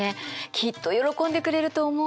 きっと喜んでくれると思う。